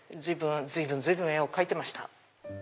随分絵を描いてました。